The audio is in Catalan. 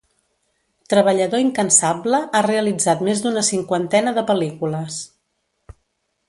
Treballador incansable, ha realitzat més d'una cinquantena de pel·lícules.